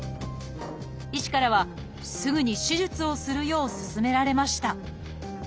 医師からはすぐに手術をするよう勧められました。